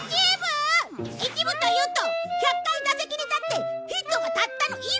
１分というと１００回打席に立ってヒットがたったの１本！？